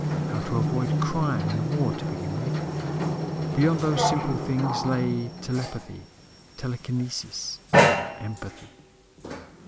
How to avoid crime and war to begin with. Beyond those simple things lay telepathy, telekinesis, empathy....